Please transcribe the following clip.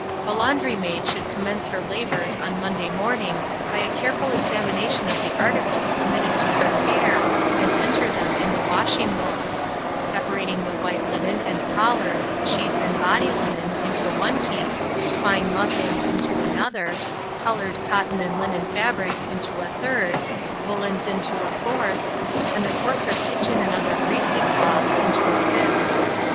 The laundry maid should commence her labours on Monday morning by a careful examination of the articles committed to her care, and enter them in the washing book; separating the white linen and collars, sheets and body linen, into one heap, fine muslins into another, coloured cotton and linen fabrics into a third, woollens into a fourth, and the coarser kitchen and other greasy cloths into a fifth.